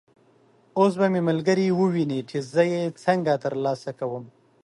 اوس به مې ملګري وویني چې زه یې څنګه تر لاسه کوم.